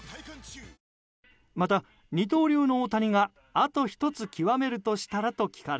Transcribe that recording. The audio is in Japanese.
また、二刀流の大谷があと１つ極めるとしたらと聞かれ？